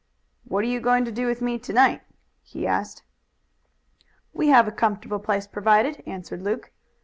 "What are you going to do with me to night?" he asked. "We have a comfortable place provided," answered Luke.